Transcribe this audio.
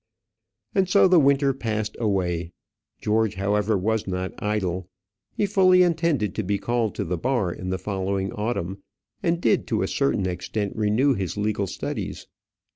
And so the winter passed away. George, however, was not idle. He fully intended to be called to the bar in the following autumn, and did, to a certain extent, renew his legal studies.